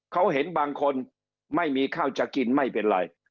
เขาเห็นบางคนไม่มีข้าวจะกินไม่เป็นไร